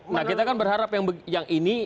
nah kita kan berharap yang ini